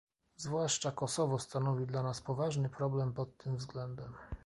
Zwłaszcza Kosowo stanowi dla nas poważny problem pod tym względem